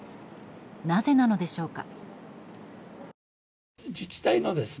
なぜなのでしょうか。